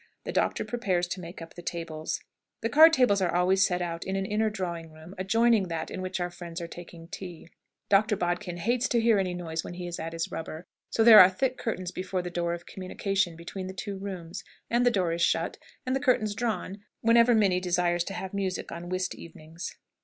The doctor prepares to make up the tables. The card tables are always set out in an inner drawing room, adjoining that in which our friends are taking tea. Dr. Bodkin hates to hear any noise when he is at his rubber, so there are thick curtains before the door of communication between the two rooms; and the door is shut, and the curtains drawn, whenever Minnie desires to have music on whist evenings.